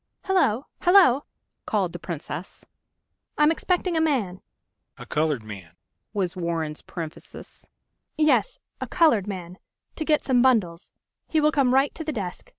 "Hello, hello," called the Princess. "I'm expecting a man." "A colored man," was Warren's parenthesis. "Yes,... a colored man ... to get some bundles. He will come right to the desk